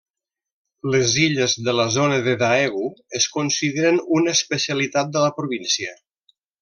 Les illes de la zona de Daegu es consideren una especialitat de la província.